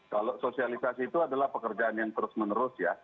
kalau sosialisasi itu adalah pekerjaan yang terus menerus ya